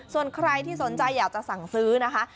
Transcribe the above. ส่วนใครที่สนใจอยากจะสั่งซื้อนะคะ